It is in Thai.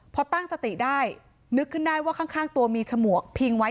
พอตั้งสติได้นึกขึ้นได้ว่าข้างตัวมีฉมวกพิงไว้